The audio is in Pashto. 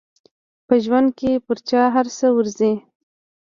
په ژوند کې پر چا هر څه ورځي.